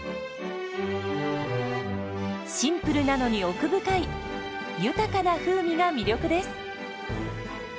シンプルなのに奥深い豊かな風味が魅力です。